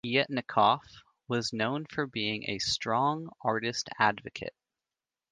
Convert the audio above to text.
Yetnikoff was known for being a strong artist advocate.